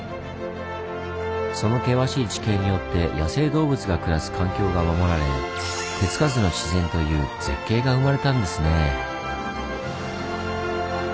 その険しい地形によって野生動物が暮らす環境が守られ「手つかずの自然」という絶景が生まれたんですねぇ。